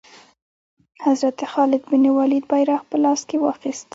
حضرت خالد بن ولید بیرغ په لاس کې واخیست.